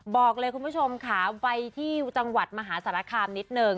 บอกเลยคุณผู้ชมค่ะไปที่จังหวัดมหาสารคามนิดนึง